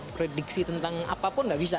prediksi tentang apapun nggak bisa